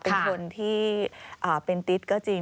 เป็นคนที่เป็นติ๊ดก็จริง